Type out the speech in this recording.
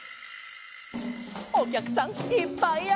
「お客さんいっぱいや」